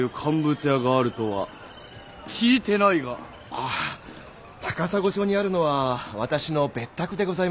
ああ高砂町にあるのは私の別宅でございます。